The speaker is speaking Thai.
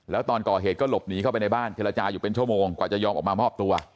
แล้วตอนก่อเหตุก็หลบหนีเข้าไปในบ้านเจรจาอยู่เป็นชั่วโมงกว่าจะยอมออกมามอบตัว